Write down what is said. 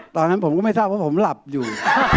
ตอนนั้นผมก็ไม่ทราบว่าผมหลับอยู่